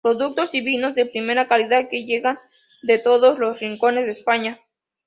Productos y vinos de primera calidad que llegan de todos los rincones de España.